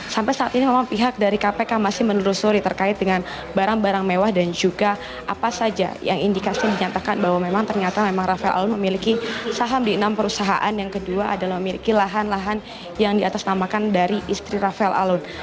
sampai saat ini memang pihak dari kpk masih menelusuri terkait dengan barang barang mewah dan juga apa saja yang indikasi dinyatakan bahwa memang ternyata memang rafael alun memiliki saham di enam perusahaan yang kedua adalah memiliki lahan lahan yang diatasnamakan dari istri rafael alun